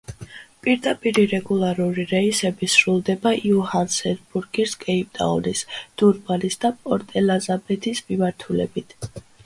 პირდაპირი რეგულარული რეისები სრულდება იოჰანესბურგის, კეიპტაუნის, დურბანის და პორტ-ელიზაბეთის მიმართულებით.